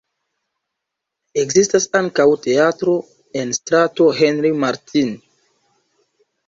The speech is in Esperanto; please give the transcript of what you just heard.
Ekzistas ankaŭ teatro en strato Henri Martin.